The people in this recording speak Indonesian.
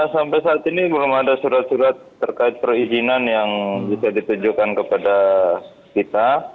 sampai saat ini belum ada surat surat terkait perizinan yang bisa ditujukan kepada kita